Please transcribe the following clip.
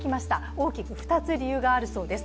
大きく２つ理由があるそうです。